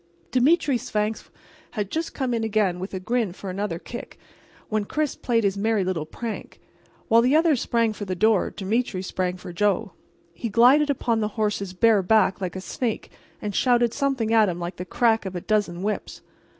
Demetre Svangvsk was just coming in again with a grin for another kick when Chris played his merry little prank. While the others sprang for the door Demetre sprang for Joe. He glided upon the horse's bare back like a snake and shouted something at him like the crack of a dozen whips.